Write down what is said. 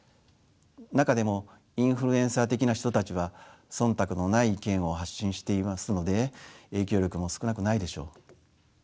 中でもインフルエンサー的な人たちは忖度のない意見を発信していますので影響力も少なくないでしょう。